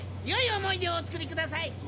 よい思い出をお作りください。